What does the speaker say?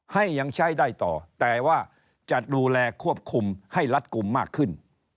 ยังใช้ได้ต่อแต่ว่าจะดูแลควบคุมให้รัดกลุ่มมากขึ้น